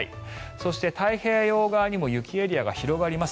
そして太平洋側にも雪エリアが広がります。